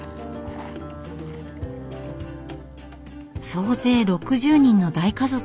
総勢６０人の大家族。